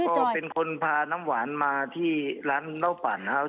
ก็เป็นคนพาน้ำหวานมาที่ร้านเหล้าปั่นนะครับ